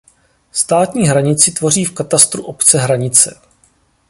Státní hranici tvoří v katastru obce Hranice.